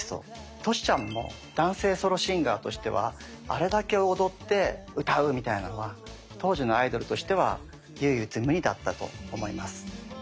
トシちゃんも男性ソロシンガーとしてはあれだけ踊って歌うみたいなのは当時のアイドルとしては唯一無二だったと思います。